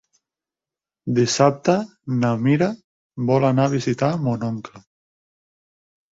Dissabte na Mira vol anar a visitar mon oncle.